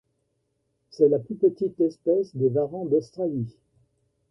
C'est la plus petite espèce des varans d'Australie.